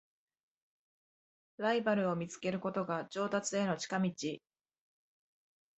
ライバルを見つけることが上達への近道